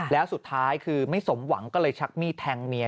แล้วสุดท้ายคือไม่สมหวังก็เลยชักมีดแทงเมีย